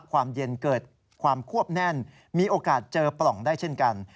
ความเย็นเกิดความควบแน่นมีโอกาสเจอปล่องได้เช่นกัน